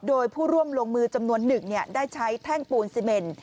โดยผู้ร่วมลงมือจำนวนหนึ่งได้ใช้แท่งปูนซีเมน